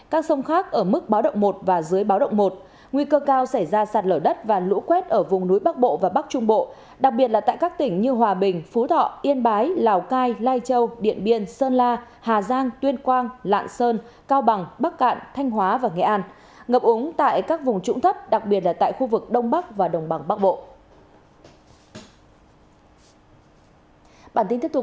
các sông khác ở mức báo động một và dưới báo động một nguy cơ cao xảy ra sạt lở đất và lũ quét ở vùng núi bắc bộ và bắc trung bộ đặc biệt là tại các tỉnh như hòa bình phú thọ yên bái lào cai lai châu điện biên sơn la hà giang tuyên quang lạng sơn cao bằng bắc cạn thanh hóa và nghệ an ngập úng tại các vùng trũng thấp đặc biệt là tại khu vực đông bắc và đồng bằng bắc bộ